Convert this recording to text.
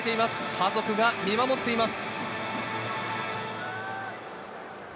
家族が見守っています。